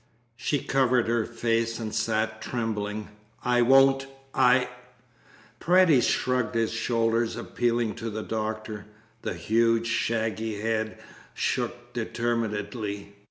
She covered her face and sat trembling. "I won't! I " Paredes shrugged his shoulders, appealing to the doctor. The huge, shaggy head shook determinedly.